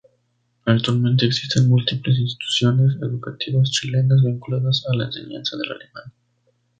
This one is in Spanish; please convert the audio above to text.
Actualmente existen múltiples instituciones educativas chilenas vinculadas a la enseñanza del alemán.